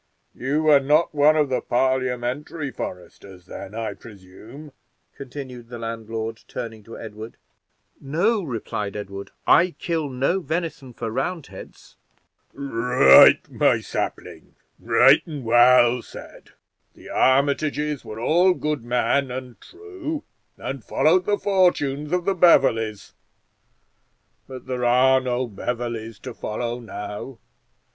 You are not one of the Parliamentary foresters, then, I presume?" continued the landlord, turning to Edward. "No," replied Edward, "I kill no venison for Roundheads." "Right, my sapling; right and well said. The Armitages were all good men and true, and followed the fortunes of the Beverleys; but there are no Beverleys to follow now.